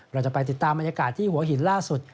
เราจะไปติดตามบรรยากาศที่หัวหินล่าสุด